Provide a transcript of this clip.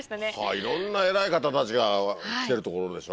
いろんな偉い方たちが来てる所でしょ？